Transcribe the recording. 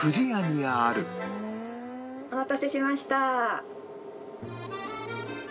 お待たせしました。